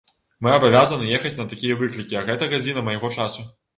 Мы абавязаны ехаць на такія выклікі, а гэта гадзіна майго часу.